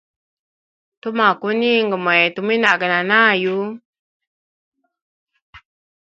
Tumwa kuninga mwetu mwinage na nayu.